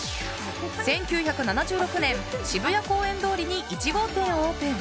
１９７６年、渋谷公園通りに１号店をオープン。